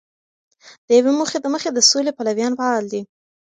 د یوې موخی د مخې د سولې پلویان فعال دي.